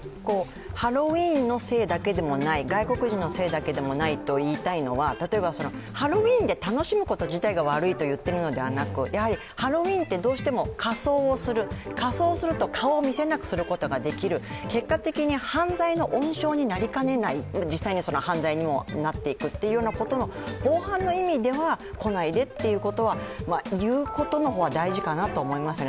ハロウィーンのせいだけでもない、外国人のせいだけでもないと言いたいのは例えば、ハロウィーンで楽しむこと自体が悪いと言っているのではなくやはりハロウィーンってどうしても仮装をする、仮装をすると顔を見せなくすることができる、結果的に犯罪の温床になりかねない、実際にも犯罪になっていくということの防犯の意味では来ないでっていうことは言うことの方が大事かなと思いますね。